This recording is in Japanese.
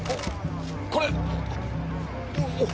これ。